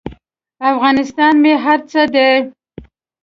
افغانستان مې هر څه دی.